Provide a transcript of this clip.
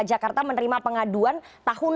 jakarta menerima pengaduan tahun